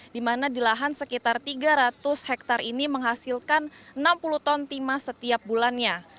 di mana di lahan sekitar tiga ratus hektare ini menghasilkan enam puluh ton timah setiap bulannya